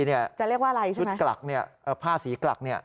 จะเรียกว่าอะไรใช่ไหมชุดกลักผ้าสีกลัก